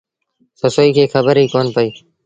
سسئيٚ کي کبر ئيٚ ڪونا پئيٚ۔